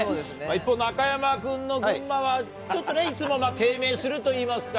一方、中山君の群馬は、ちょっとね、いつも低迷するといいますか。